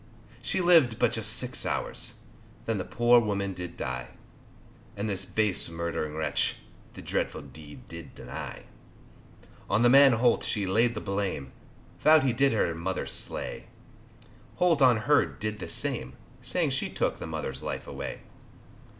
She lived but just six hours, Then the poor woman did die, And this base murdering wretch, The dreadful deed did deny. On the man Holt she laid the blame, Vowed he did her mother slay, Holt on her did the same, Saying she took the mother's life away.